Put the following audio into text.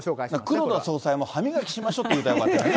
黒田総裁も歯磨きしましょって言えばよかったな。